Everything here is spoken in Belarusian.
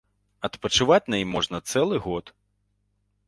Адпачываць на ім можна цэлы год.